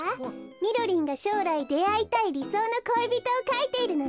みろりんがしょうらいであいたいりそうの恋人をかいているのね。